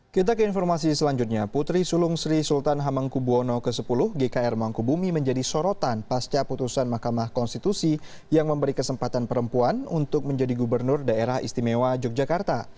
kita ke informasi selanjutnya putri sulung sri sultan hamengkubwono x gkr mangkubumi menjadi sorotan pasca putusan mahkamah konstitusi yang memberi kesempatan perempuan untuk menjadi gubernur daerah istimewa yogyakarta